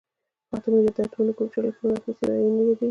اتوم یا د اتومونو ګروپ چې الکترون اخیستی وي ایون یادیږي.